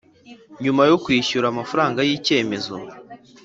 Nyuma yo kwishyura amafaranga y icyemezo